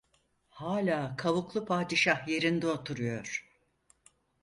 Hâlâ kavuklu padişah yerinde oturuyor!